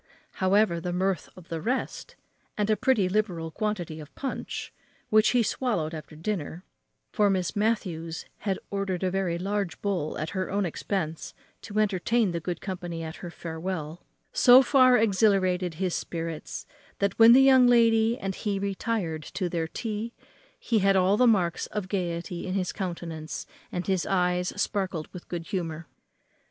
However, the mirth of the rest, and a pretty liberal quantity of punch, which he swallowed after dinner (for Miss Matthews had ordered a very large bowl at her own expense to entertain the good company at her farewell), so far exhilarated his spirits, that when the young lady and he retired to their tea he had all the marks of gayety in his countenance, and his eyes sparkled with good humour.